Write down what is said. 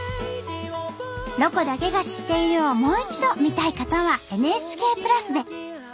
「ロコだけが知っている」をもう一度見たい方はＮＨＫプラスで。